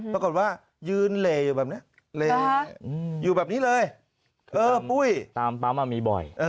ปรากฏว่ายืนเหลอยู่แบบนี้เลยตามป๊ามมามีบ่อย